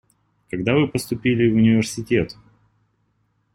Когда вы поступили в университет?